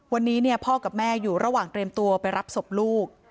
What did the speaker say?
วันนี้พ่อกับแม่อยู่ระหว่างเตรียมตัวไปรับศพลูก